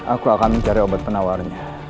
aku akan mencari obat penawarnya